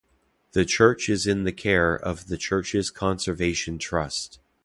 The church is in the care of the Churches Conservation Trust.